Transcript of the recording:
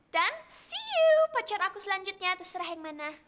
dan see you pacar aku selanjutnya terserah yang mana